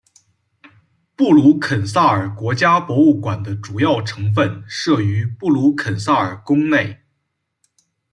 布鲁肯撒尔国家博物馆的主要部分设于布鲁肯撒尔宫内。